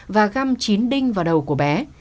và găm chín đinh vào đầu của bé